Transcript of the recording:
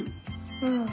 うん。